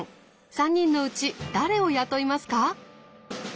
３人のうち誰を雇いますか？